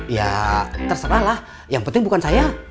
ya terserahlah yang penting bukan saya